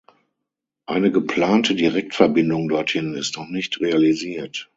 Eine geplante Direktverbindung dorthin ist noch nicht realisiert.